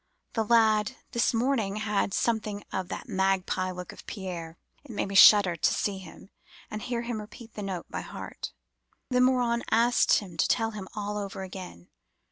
(That lad this morning had something of the magpie look of Pierre—it made me shudder to see him, and hear him repeat the note by heart.) Then Morin asked him to tell him all over again.